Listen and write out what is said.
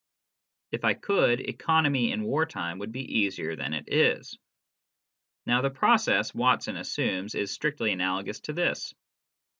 If I could, economy in war time would be easier than it is. Now, the process Watson assumes is strictly analogous to this.